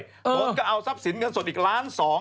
ตนก็เอาทรัพย์สินเงินสดอีกล้านสอง